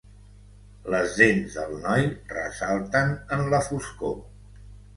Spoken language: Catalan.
Les dents del noi ressalten en la foscor.